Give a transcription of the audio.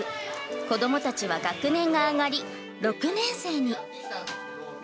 子どもたちは学年が上がり、６年生に。